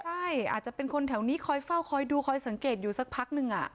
ใช่อาจจะเป็นคนแถวนี้คอยเฝ้าคอยดูคอยสังเกตอยู่สักพักนึง